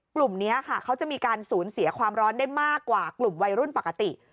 กลุ่มนี้ค่ะเขาจะมีการสูญเสียความร้อนได้มากกว่ากลุ่มวัยรุ่นปกติ